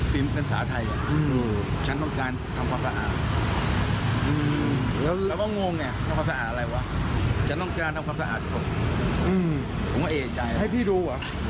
ผมก็เอ่ยใจนะครับให้พี่ดูเหรอให้ดู